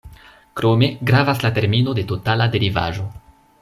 Krome gravas la termino de totala derivaĵo.